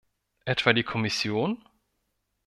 Etwa die Kommission?